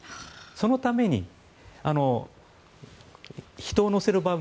そのために人を乗せる場合